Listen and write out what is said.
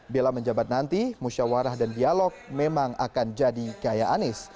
bila menjabat nanti musyawarah dan dialog memang akan jadi gaya anies